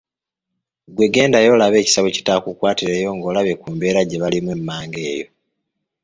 Gwe gendayo olabe ekisa bwe kitaakukwatireyo ng’olabye ku mbeera gye balimu emmanga eyo.